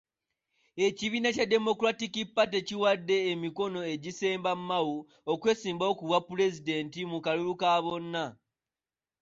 Ekibiina kya Democratic Party kiwaddeyo emikono egisemba Mao, okwesimbawo ku bwapulezidenti mu kalulu ka bonna